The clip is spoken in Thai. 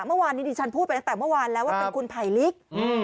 เมื่อวานนี้ดิฉันพูดไปตั้งแต่เมื่อวานแล้วว่าเป็นคุณไผลลิก